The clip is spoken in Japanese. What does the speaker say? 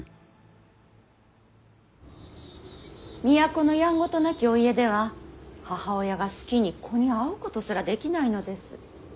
都のやんごとなきお家では母親が好きに子に会うことすらできないのです。